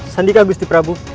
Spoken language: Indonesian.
sandika gusti prabu